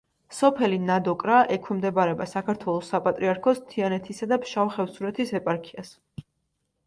სოფელი ნადოკრა ექვემდებარება საქართველოს საპატრიარქოს თიანეთისა და ფშავ-ხევსურეთის ეპარქიას.